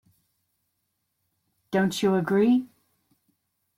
Don't you agree?